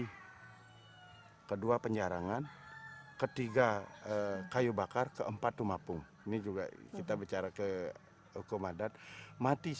hai kedua penjarangan ketiga kayu bakar keempat umapung ini juga kita bicara ke hukum adat mati